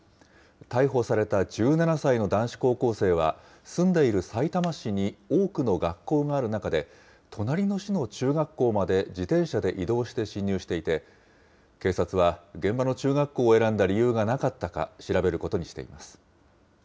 逮捕された１７歳の男子高校生は、住んでいるさいたま市に多くの学校がある中で、隣の市の中学校まで自転車で移動して侵入していて、警察は現場の中学校を選んだ理由がなかったか調べることにしてい